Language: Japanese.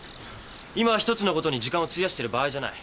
今は一つのことに時間を費やしてる場合じゃない。